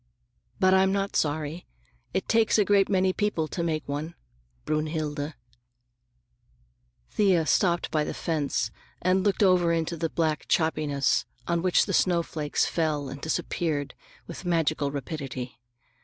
But I'm not sorry. It takes a great many people to make one—Brünnhilde." Thea stopped by the fence and looked over into the black choppiness on which the snowflakes fell and disappeared with magical rapidity.